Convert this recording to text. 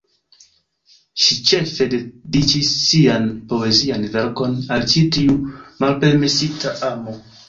Ŝi ĉefe dediĉis sian poezian verkon al ĉi tiu malpermesita amo.